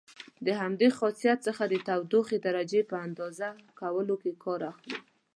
د همدې خاصیت څخه د تودوخې درجې په اندازه کولو کې کار اخلو.